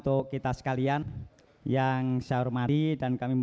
tidak ada yang tidak siapkan